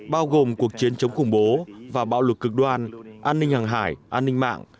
bao gồm cuộc chiến chống khủng bố và bạo lực cực đoan an ninh hàng hải an ninh mạng